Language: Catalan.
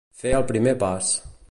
Fer el primer pas.